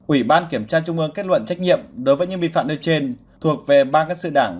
ủy ban kiểm tra trung ương kết luận trách nhiệm đối với những vi phạm nơi trên thuộc về ban cán sự đảng